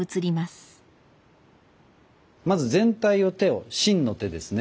まず全体を手を「真」の手ですね